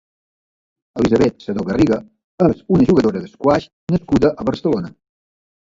Elisabet Sadó Garriga és una jugadors d'esquàix nascuda a Barcelona.